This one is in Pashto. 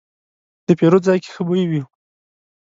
د پیرود ځای کې ښه بوی و.